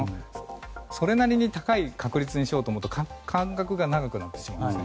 それなりに高い確率にしようとすると間隔が長くなってしまいます。